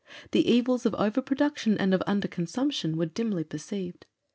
The evils of over production, and of under consumption were dimly perceived.